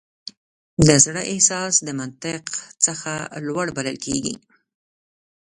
د زړه احساس د منطق څخه لوړ بلل کېږي.